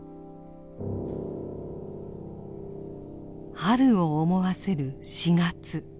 春を思わせる四月。